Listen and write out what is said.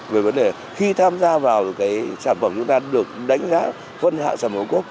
về vấn đề khi tham gia vào cái sản phẩm chúng ta được đánh giá phân hạng sản phẩm ocob